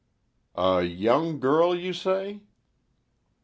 "A young girl, you say?"